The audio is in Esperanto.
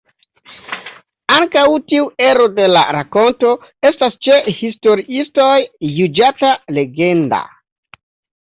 Ankaŭ tiu ero de la rakonto estas ĉe historiistoj juĝata legenda.